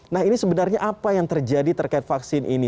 nah ini sebenarnya apa yang terjadi terkait vaksin ini